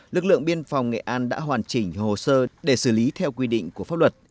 lực lượng biên phòng nghệ an đã hoàn chỉnh hồ sơ để xử lý theo quy định của pháp luật